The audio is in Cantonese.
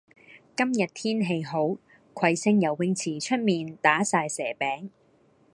今日天氣好，葵盛游泳池出面打晒蛇餅。